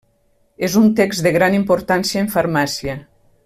És un text de gran importància en farmàcia.